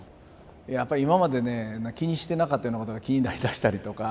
やっぱり今までね気にしてなかったようなことが気になりだしたりとか。